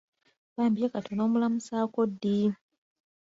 Bambi ye kati onomulamusaako ddi?